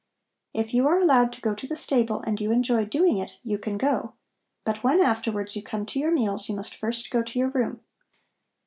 If you are allowed to go to the stable and you enjoy doing it, you can go. But when afterwards you come to your meals, you must first go to your room.